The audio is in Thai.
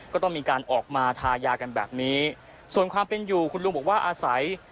ก็ต้องมีการออกมาทายากันแบบนี้ส่วนความเป็นอยู่คุณลุงบอกว่าอาศัย